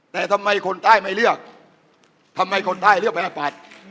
แต่ทำไมคนใต้ไม่เลือกทำไมคนใต้เลือกประชาปัตย์